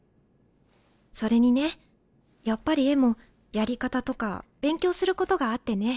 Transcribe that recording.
それにねやっぱり絵もやり方とか勉強することがあってね。